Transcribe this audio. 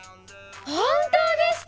本当ですか！